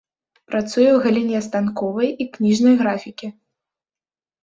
Працуе ў галіне станковай і кніжнай графікі.